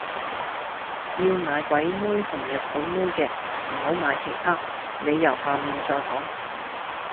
要買鬼妹同日本妹嘅，唔好買其他，理由下面再講。